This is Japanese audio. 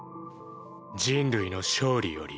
人類の勝利より？